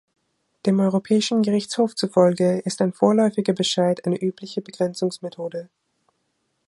Dem Europäischen Gerichtshof zufolge ist ein vorläufiger Bescheid eine übliche Begrenzungsmethode.